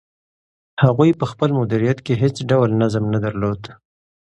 هغوی په خپل مدیریت کې هیڅ ډول نظم نه درلود.